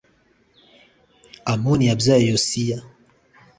Amoni yabyaye Yosiya